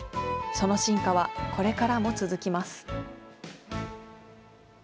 その進化はこれからも続きます。